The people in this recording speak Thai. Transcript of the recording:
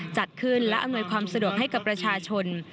จัดขึ้นและอำนวยความสะดวกให้กับประชาชน